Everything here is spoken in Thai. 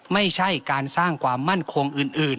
ไม่ใช่การสร้างความมั่นคงอื่น